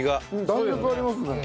弾力ありますね。